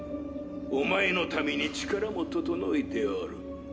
おまえの為に力も整えておる。